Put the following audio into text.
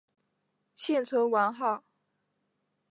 现存完好。